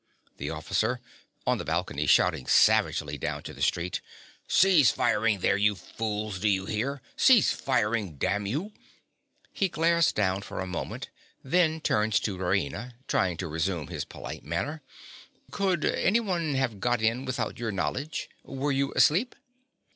_) THE OFFICER. (on the balcony, shouting savagely down to the street). Cease firing there, you fools: do you hear? Cease firing, damn you. (He glares down for a moment; then turns to Raina, trying to resume his polite manner.) Could anyone have got in without your knowledge? Were you asleep?